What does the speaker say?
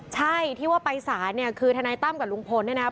ใช่ที่ว่าไปสานคือธนายตั้มกับลุงพนธนาคต